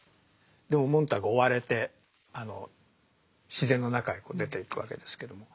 でもモンターグは追われて自然の中へ出ていくわけですけども。